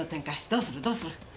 どうするどうする？